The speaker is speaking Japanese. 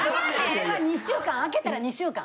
あれは２週間開けたら２週間。